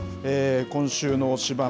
今週の推しバン！